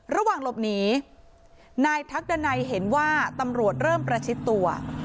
ระหว่างหลบหนีนายทักดันัยเห็นว่าตำรวจเริ่มประชิดตัว